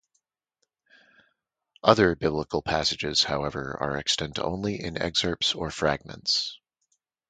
Other biblical passages, however, are extant only in excerpts or fragments.